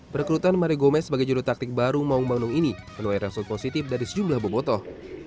perekrutan mario gomez sebagai juru taktik baru mau membangun ini menawari resmi positif dari sejumlah bobotoh